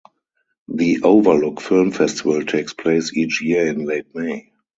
The Overlook Film Festival takes place each year in late May.